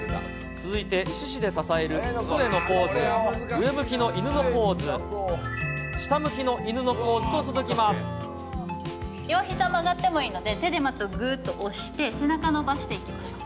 続いて四肢で支えるつえのポーズ、上向きの犬のポーズ、両ひざ曲がってもいいので、手でまたぐっと押して、背中伸ばしていきましょう。